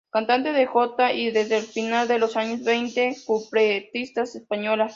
Cantante de jota y, desde el final de los años veinte, cupletista española.